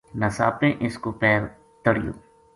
نساپے اس کو پیر تَہڑ یو